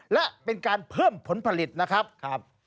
และเป็นการเพิ่มผลผลิตนะครับ